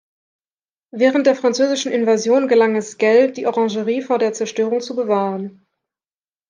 Während der französischen Invasion gelang es Sckell, die Orangerie vor der Zerstörung zu bewahren.